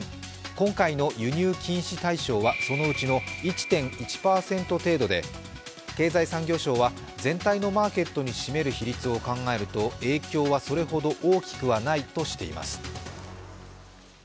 今回の輸入禁止対象はそのうちの１．１％程度で経済産業省は全体のマーケットに占める比率を考えると影響はそれほど大きくはないとしています。